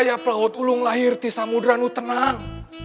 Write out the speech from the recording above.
ya pelaut ulung lahir di samuda nu tenang